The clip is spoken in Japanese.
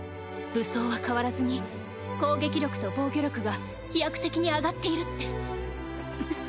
武装は変わらずに攻撃力と防御力が飛躍的に上がっているって。